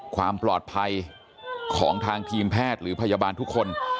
ความปลอดภัยของทางทีมแพทย์หรือพยาบาลทุกคน